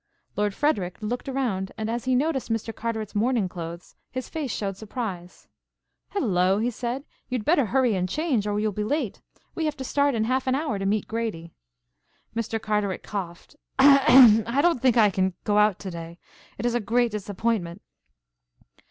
Lord Frederic looked around and as he noticed Mr. Carteret's morning clothes his face showed surprise. "Hello!" he said, "you had better hurry and change, or you will be late. We have to start in half an hour to meet Grady." Mr. Carteret coughed. "I don't think that I can go out to day. It is a great disappointment."